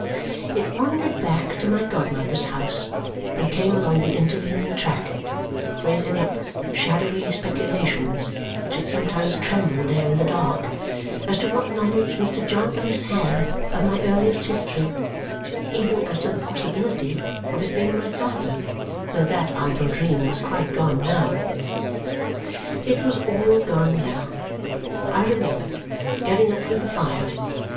It wandered back to my godmother's house and came along the intervening track, raising up shadowy speculations which had sometimes trembled there in the dark as to what knowledge Mr. Jarndyce had of my earliest history even as to the possibility of his being my father, though that idle dream was quite gone now. It was all gone now, I remembered, getting up from the fire.